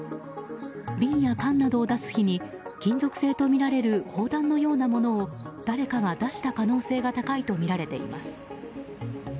瓶や缶などを出す日に金属製とみられる砲弾のようなものを誰かが出した可能性が高いとみられています。